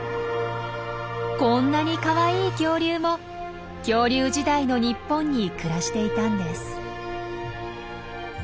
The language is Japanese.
こんなにかわいい恐竜も恐竜時代の日本に暮らしていたんです。